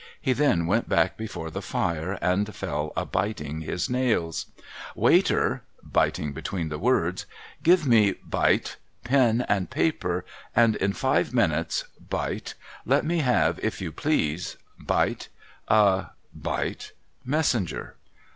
He then went back before the fire, and fell a biting his nails. ' Waiter !' biting between the words, ' give me,' bite, ' pen and paper ; and in five minutes,' bite, ' let me have, if you please,' bite, ' a,' bite, ' Messenger.'